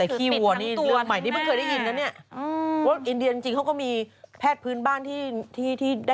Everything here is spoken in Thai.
เขาก็ครรภิรบนี่ล่ะ